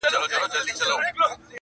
د کوثر له حوضه ډکه پیمانه يې,